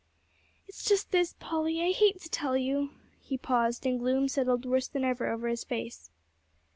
"It's just this, Polly, I hate to tell you " He paused, and gloom settled worse than ever over his face.